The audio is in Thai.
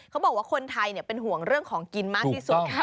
เขาบอกว่าคนไทยเป็นห่วงเรื่องของกินมากที่สุด